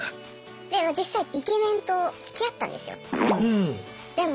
で実際イケメンとつきあったんですよ。